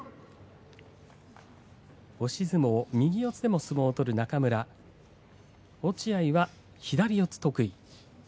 押し相撲、右四つでも相撲を取る中村落合は左四つ得意。